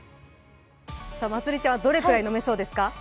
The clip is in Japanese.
まつりちゃんはどれくらい飲めそうですか？